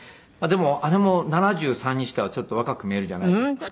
でも姉も７３にしてはちょっと若く見えるじゃないですか。